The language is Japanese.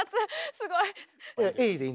すごい。